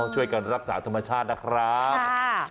ช่วยกันรักษาธรรมชาตินะครับ